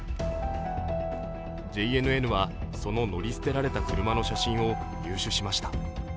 ＪＮＮはその乗り捨てられた車の写真を入手しました。